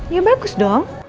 ya bagus dong